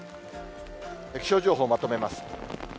気象情報をまとめます。